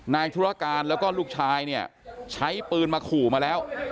ธุรการแล้วก็ลูกชายเนี่ยใช้ปืนมาขู่มาแล้ว